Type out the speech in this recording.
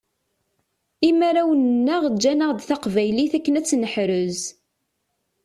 Imarawen-nneɣ ǧǧanaɣ-d taqbaylit akken ad tt-neḥrez.